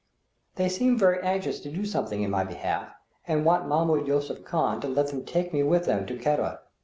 They seem very anxious to do something in my behalf, and want Mahmoud Yusuph Khan to let them take me with them to Quetta.